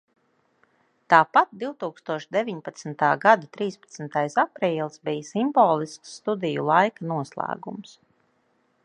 Tāpat divtūkstoš deviņpadsmitā gada trīspadsmitais aprīlis bija simbolisks studiju laika noslēgums.